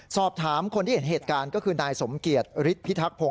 สอบถามคนที่เห็นเหตุการณ์ก็คือนายสมเกียจฤทธิพิทักพงศ